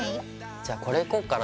じゃこれいこっかな次。